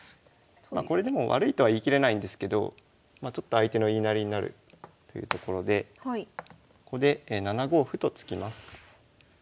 これでも悪いとは言い切れないんですけどちょっと相手の言いなりになるっていうところでここで７五歩と突きます。